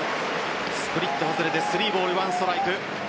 スプリット外れて３ボール１ストライク。